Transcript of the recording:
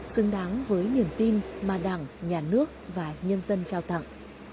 xứng đáng với niềm tin mà đảng nhà nước và nhân dân trao tặng